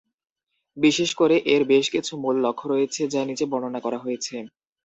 বিশেষ করে এর বেশ কিছু মূল লক্ষ্য রয়েছে, যা নিচে বর্ণনা করা হয়েছে।